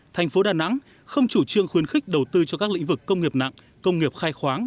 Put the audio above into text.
thành phố đà nẵng không chủ trương khuyến khích đầu tư cho các lĩnh vực công nghiệp nặng công nghiệp khai khoáng